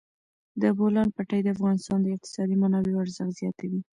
د بولان پټي د افغانستان د اقتصادي منابعو ارزښت زیاتوي.